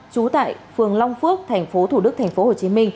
trú tại phường long phước tp thủ đức tp hcm